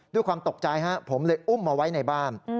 ด้วยความตกใจผมเลยอุ้มมาไว้ในบ้าน